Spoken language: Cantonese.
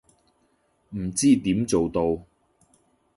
唔知點做到